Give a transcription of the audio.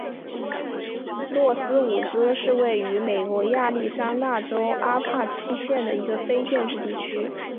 诺斯伍兹是位于美国亚利桑那州阿帕契县的一个非建制地区。